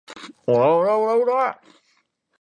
オラオラオラァ